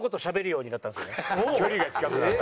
距離が近くなった？